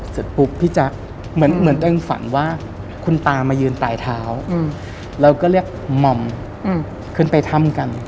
สวดตามอืม